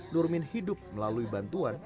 nurmin hidup melalui bantuan